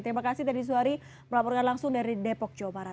terima kasih teddy suhari melaporkan langsung dari depok jawa barat